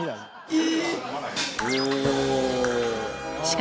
え？